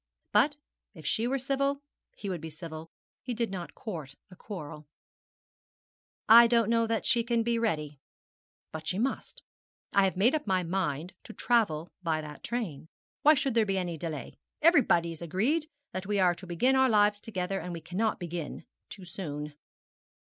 But if she were civil he would be civil: he did not court a quarrel. 'I don't know that she can be ready.' 'But she must. I have made up my mind to travel by that train. Why should there be any delay? Everybody is agreed that we are to begin our lives together, and we cannot begin too soon.'